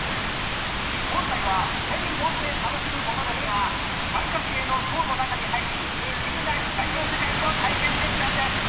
本来は手に持って楽しむものですが三角形の塔の中に入り不思議な光の世界を体験できたんです